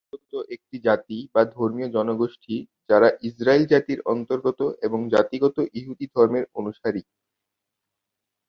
ইহুদি মূলত একটি জাতি বা ধর্মীয় জনগোষ্ঠী যারা ইস্রায়েল জাতির অন্তর্গত এবং জাতিগতভাবে ইহুদি ধর্মের অনুসারী।